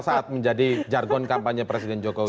saat menjadi jargon kampanye presiden jokowi